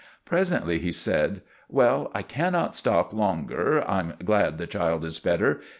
Presently he said: "Well, I cannot stop longer. I'm glad the child is better.